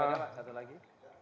bisa aja pak satu lagi